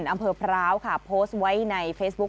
อำเภอพร้าวค่ะโพสต์ไว้ในเฟซบุ๊ค